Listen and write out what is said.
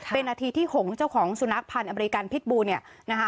เป็นนาทีที่หงเจ้าของสุนัขพันธ์อเมริกันพิษบูเนี่ยนะคะ